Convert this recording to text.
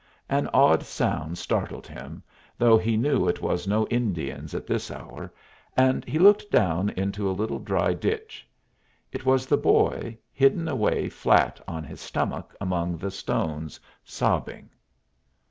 An odd sound startled him, though he knew it was no Indians at this hour, and he looked down into a little dry ditch. It was the boy, hidden away flat on his stomach among the stones, sobbing.